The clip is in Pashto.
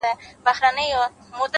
گراني شاعري دغه واوره ته ـ